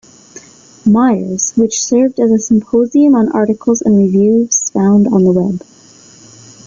Myers, which served as a symposium on articles and reviews found on the web.